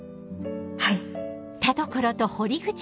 はい。